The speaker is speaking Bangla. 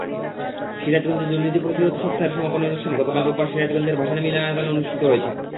সিরাজগঞ্জে দুর্নীতি প্রতিরোধ সপ্তাহের সমাপনী অনুষ্ঠান গতকাল রোববার সিরাজগঞ্জের ভাসানী মিলনায়তনে অনুষ্ঠিত হয়েছে।